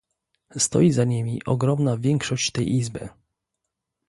Stoi za nimi ogromna większość tej Izby